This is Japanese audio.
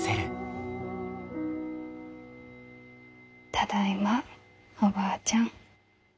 ただいまおばあちゃん。